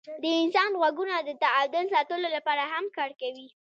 د انسان غوږونه د تعادل ساتلو لپاره هم کار کوي.